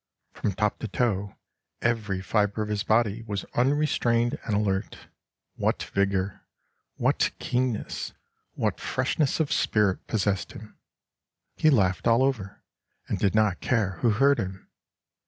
From top to toe every fibre of his body was unrestrained and alert. What vigor, what keenness, what freshness of spirit, possessed him! He laughed all over, and did not care who heard him!